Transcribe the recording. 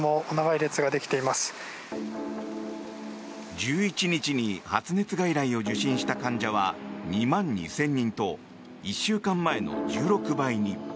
１１日に発熱外来を受診した患者は２万２０００人と１週間前の１６倍に。